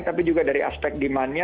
tapi juga dari aspek demandnya